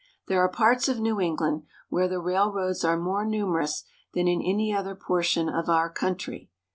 There are parts of New England where the railroads are more numerous than in any other portion of our country.